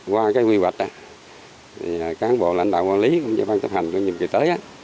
qua cái quy hoạch cán bộ lãnh đạo quản lý cũng như bàn chấp hành có nhiều kỳ tới